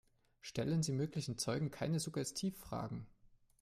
Stellen Sie möglichen Zeugen keine Suggestivfragen.